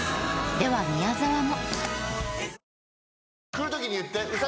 では宮沢も。